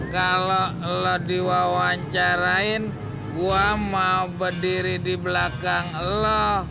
kalau lo diwawancarain gue mau berdiri di belakang lo